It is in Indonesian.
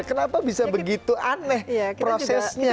kenapa bisa begitu aneh prosesnya